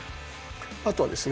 あとはですね